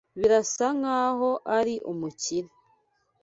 Birasa nkaho ari umukire.